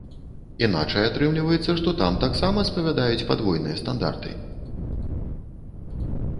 Іначай атрымліваецца, што там таксама спавядаюць падвойныя стандарты.